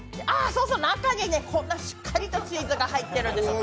そうそう、中にこんなしっかりとチーズが入っているんです。